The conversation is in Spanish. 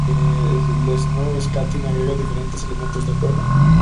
El snow-skating agrega diferentes elementos de juego.